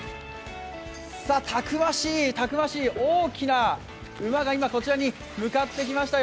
たくましいたくましい大きな馬が今こちらに向かってきましたよ。